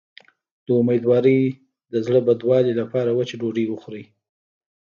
د امیدوارۍ د زړه بدوالي لپاره وچه ډوډۍ وخورئ